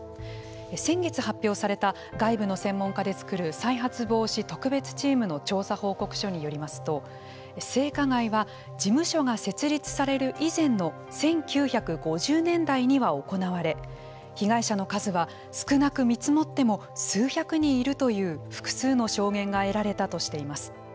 先月発表された外部の専門家で作る再発防止特別チームの調査報告書によりますと性加害は事務所が設立される以前の１９５０年代には行われ被害者の数は少なく見積もっても数百人いるという複数の証言が得られたとしています。